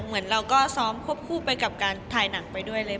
เหมือนเราก็ซ้อมควบคู่ไปกับการถ่ายหนังไปด้วยเลย